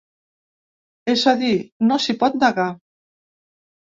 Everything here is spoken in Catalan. És a dir, no s’hi pot negar.